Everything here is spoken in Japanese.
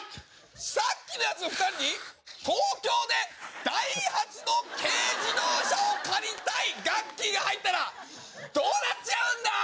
さっきのやつの２人に東京でダイハツの軽自動車を借りたいガッキーが入ったらどうなっちゃうんだー？